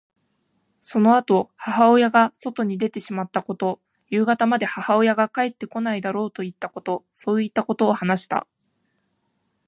そのあと母親が外に出てしまったこと、夕方まで母親が帰ってこないだろうといったこと、そういったことを話した。